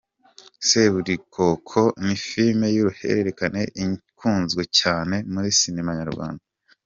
Seburikoko ni filime y'uruhererekane ikunzwe cyane muri sinema nyarwanda.